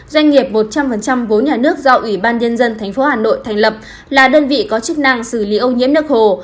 doanh nghiệp một trăm linh vốn nhà nước do ủy ban nhân dân tp hà nội thành lập là đơn vị có chức năng xử lý ô nhiễm nước hồ